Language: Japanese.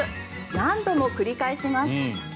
何度も繰り返します。